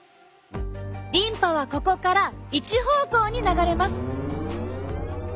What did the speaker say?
リンパはここから一方向に流れます。